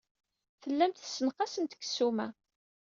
Tellamt tessenqasemt deg ssuma.